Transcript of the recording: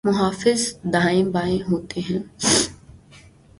محافظ دائیں بائیں ہوتے ہیں۔